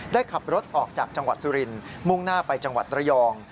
ได้ขับรถออกจากจังหวัดสุรินทร์มุ่งหน้าไปจังหวัดระยอง